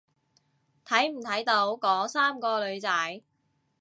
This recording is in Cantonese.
睇唔睇到嗰三個女仔？